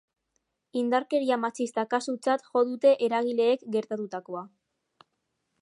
Indarkeria matxista kasutzat jo dute eragileek gertatutakoa.